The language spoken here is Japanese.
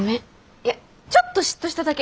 いやちょっと嫉妬しただけ！